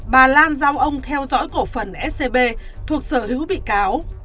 bà lan giao ông theo dõi cổ phần scb thuộc sở hữu bị cáo